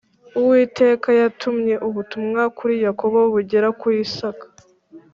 Uwiteka yatumye ubutumwa kuri Yakobo bugera kuri isaka